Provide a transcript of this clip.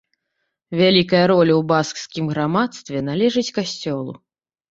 Вялікая роля ў баскскім грамадстве належыць касцёлу.